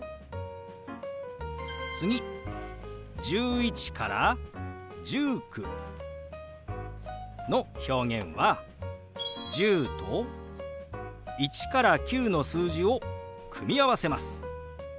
次１１から１９の表現は「１０」と１から９の数字を組み合わせます。